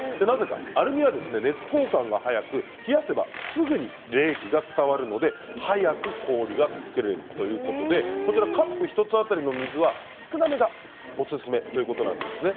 アルミは熱交換が早く冷やせばすぐに冷気が伝わるので早く氷が作れるということでカップ１つ当たりの水は少なめがおすすめということです。